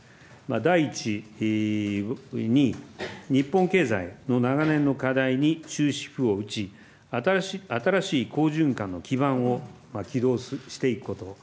第１に日本経済の長年の課題に終止符を打ち、新しい好循環の基盤を起動していくこと。